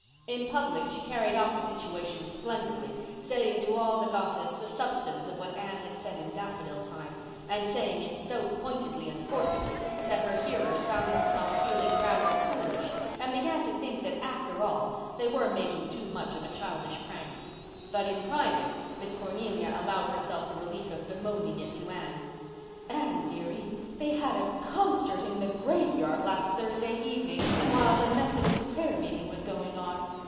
In public she carried off the situation splendidly, saying to all the gossips the substance of what Anne had said in daffodil time, and saying it so pointedly and forcibly that her hearers found themselves feeling rather foolish and began to think that, after all, they were making too much of a childish prank. But in private Miss Cornelia allowed herself the relief of bemoaning it to Anne. "Anne dearie, they had a concert in the graveyard last Thursday evening, while the Methodist prayer meeting was going on.